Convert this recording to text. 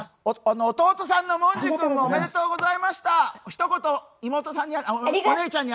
弟さんの文殊君もおめでとうございました。